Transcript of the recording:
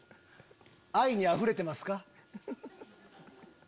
愛にあふれてますか？